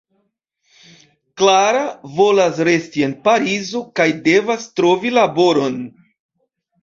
Klara volas resti en Parizo kaj devas trovi laboron.